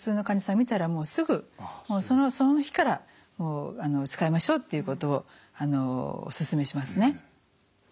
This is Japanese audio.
診たらもうすぐその日から使いましょうということをお勧めしますね。